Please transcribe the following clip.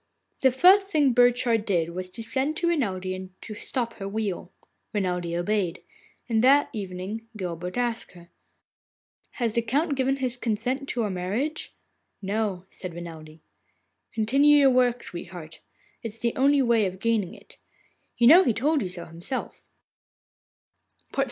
The first thing Burchard did was to send to Renelde and to stop her wheel. Renelde obeyed, and that evening Guilbert asked her: 'Has the Count given his consent to our marriage?' 'No,' said Renelde. 'Continue your work, sweetheart. It is the only way of gaining it. You know he told you so himself.